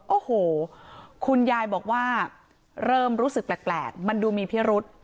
โอ้โหคุณยายบอกว่าเริ่มรู้สึกแปลกมันดูมีพิรุษ